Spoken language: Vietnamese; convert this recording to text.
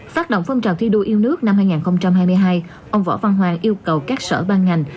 phát động phong trào thi đua yêu nước năm hai nghìn hai mươi hai ông võ văn hoàng yêu cầu các sở ban ngành